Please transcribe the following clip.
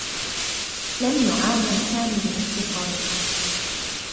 لم يُعامَل سامي بنفس الطّريقة.